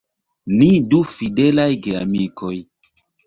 Ni du fidelaj geamikoj.